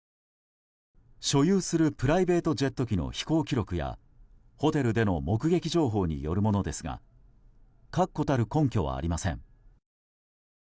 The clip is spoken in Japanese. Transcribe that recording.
所有するプライベートジェット機の飛行記録や、ホテルでの目撃情報によるものですが確固たる根拠はありません。